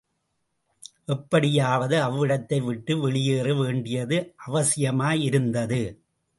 எப்படியாவது அவ்விடத்தை விட்டு வெளியேற வேண்டியது அவசியமாயிருந்தது.